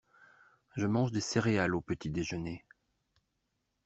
Je mange des céréales au petit déjeuner.